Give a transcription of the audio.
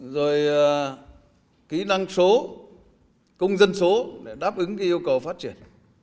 rồi kỹ năng số công dân số để đáp ứng cái yêu cầu phát triển